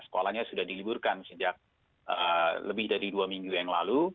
sekolahnya sudah diliburkan sejak lebih dari dua minggu yang lalu